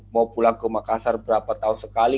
mau pulang ke makassar berapa tahun sekali